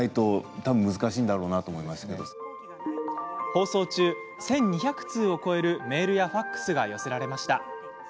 放送中、１２００通を超えるメールやファックスが寄せられました。